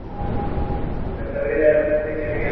ورپسې د لويو لويو جنرالانو.